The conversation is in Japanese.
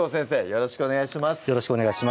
よろしくお願いします